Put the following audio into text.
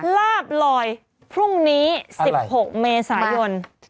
ลาบลอยพรุ่งนี้๑๖เมษายน